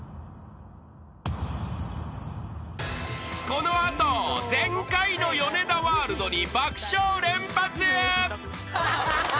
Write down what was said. ［この後全開のヨネダワールドに爆笑連発］